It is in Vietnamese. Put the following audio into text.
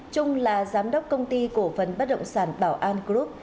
trung là giám đốc công ty cổ phần bất động sản bảo an group